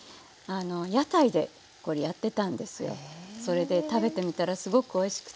それで食べてみたらすごくおいしくてね